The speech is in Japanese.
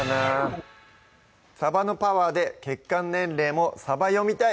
さばのパワーで血管年齢もさば読みたい！